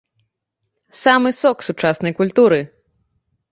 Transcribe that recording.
Самы сок сучаснай культуры!